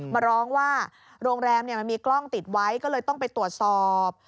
มาร้องว่าโรงแรมมันมีกล้องติดไว้ก็เลยต้องไปตรวจสอบ